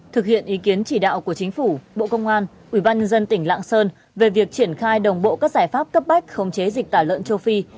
thực hiện ý kiến chỉ đạo của chính phủ bộ công an ubnd tỉnh lạng sơn về việc triển khai đồng bộ các giải pháp cấp bách khống chế dịch tả lợn châu phi